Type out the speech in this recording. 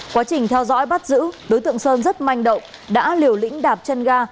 quá trình theo dõi bắt giữ đối tượng sơn rất manh động đã liều lĩnh đạp chân ga